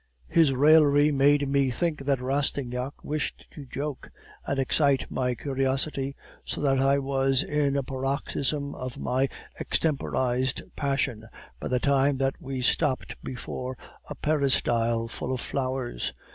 "His raillery made me think that Rastignac wished to joke and excite my curiosity, so that I was in a paroxysm of my extemporized passion by the time that we stopped before a peristyle full of flowers.